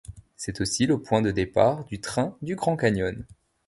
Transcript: C'est aussi le point de départ du train du Grand Canyon.